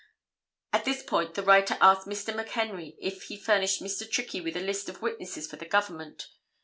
At this point the writer asked Mr. McHenry if he furnished Mr. Trickey with a list of the witnesses for the government.